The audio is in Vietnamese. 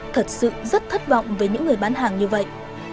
thật sự rất thất vọng với những người bán hàng như vậy